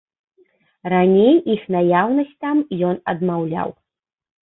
Раней іх наяўнасць там ён адмаўляў.